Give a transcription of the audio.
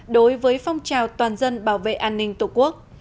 đối với phong trào toàn dân bảo vệ an ninh tổ quốc